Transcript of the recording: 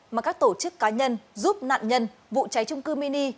mà các tổ chức cá nhân giúp nạn nhân vụ cháy trung cư mini